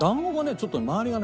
ちょっと周りがね